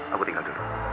aku tinggal dulu